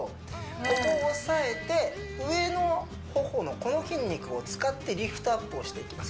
ここを押さえて上の頬のこの筋肉を使ってリフトアップをしていきます